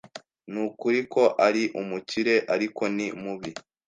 Nukuri ko ari umukire, ariko ni mubi.